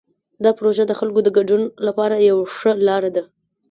دا پروژه د خلکو د ګډون لپاره یوه ښه لاره ده.